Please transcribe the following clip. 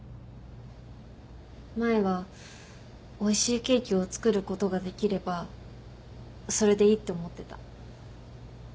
前はおいしいケーキを作ることができればそれでいいって思ってた。